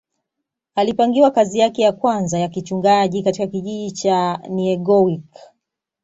alipangiwa kazi yake ya kwanza ya kichungaji katika kijiji cha niegowiic